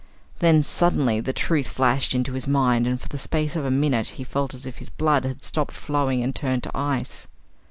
Then, suddenly, the truth flashed into his mind, and for the space of a minute he felt as if his blood had stopped flowing and turned to ice.